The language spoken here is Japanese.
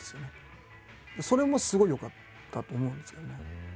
それもすごい良かったと思うんですけどね。